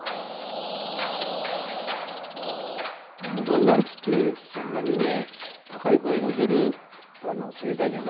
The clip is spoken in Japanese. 僕は生まれつきそんなにね高い声の出る声帯じゃなかったんですよね。